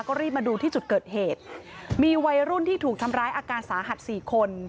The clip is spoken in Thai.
ก็รีบมาดูที่จุดเกิดเหตุมีวัยรุ่นที่ถูกทำร้ายอาการสาหัสสี่คน